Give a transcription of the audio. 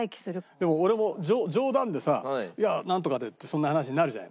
でも俺も冗談でさいやなんとかでってそんな話になるじゃない。